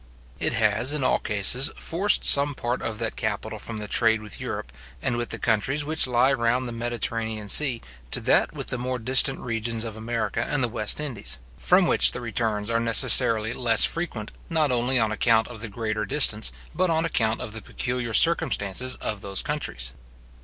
It has, in all cases, forced some part of that capital from the trade with Europe, and with the countries which lie round the Mediterranean sea, to that with the more distant regions of America and the West Indies; from which the returns are necessarily less frequent, not only on account of the greater distance, but on account of the peculiar circumstances of those countries.